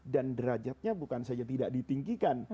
dan derajatnya bukan saja tidak ditinggikan